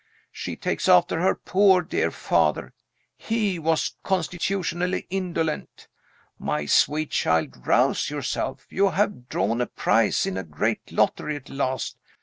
She takes after her poor dear father. He was constitutionally indolent. My sweet child, rouse yourself. You have drawn a prize in the great lottery at last.